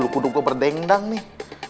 bulu kudu gue berdendang nih